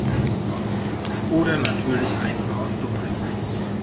Oder natürlich einfach aus Dummheit.